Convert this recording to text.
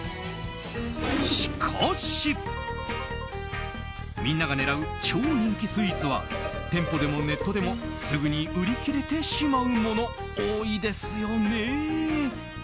しかし、みんなが狙う超人気スイーツは店舗でもネットでもすぐに売り切れてしまうもの多いですよね。